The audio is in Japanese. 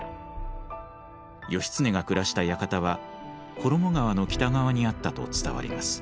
義経が暮らした館は衣川の北側にあったと伝わります。